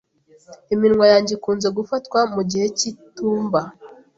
Iminwa yanjye ikunze gufatwa mugihe cy'itumba.